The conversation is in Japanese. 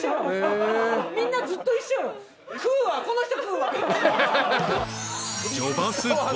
みんなずっと一緒よ。